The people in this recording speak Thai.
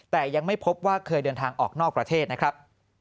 แต่ยังไม่พบว่าเคยเดินทางออกนอกประเทศนะครับ